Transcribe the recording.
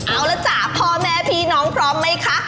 เอาละจ้ะพ่อแม่พี่น้องพร้อมไหมคะ